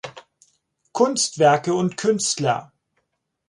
Kunstwerke und Künstler.